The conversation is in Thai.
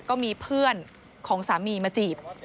ก็มีเพื่อนของสามีมาจีบ